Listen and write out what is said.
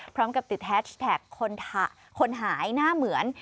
พร้อมกับติดแฮชแท็กคนหายหน้าเหมือน